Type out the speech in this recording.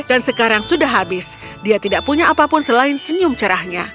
dan sekarang sudah habis dia tidak punya apapun selain senyum cerahnya